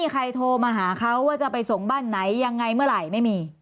ขอบคุณครับ